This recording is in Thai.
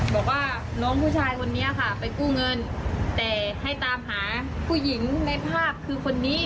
บอกว่าน้องผู้ชายคนนี้ค่ะไปกู้เงินแต่ให้ตามหาผู้หญิงในภาพคือคนนี้